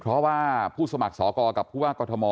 เพราะว่าผู้สมัครสื้อกร